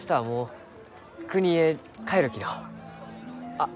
あっ！